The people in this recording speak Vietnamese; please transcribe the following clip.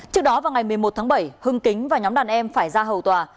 trước đó vào ngày một mươi một tháng bảy hưng kính và nhóm đàn em phải ra hầu tòa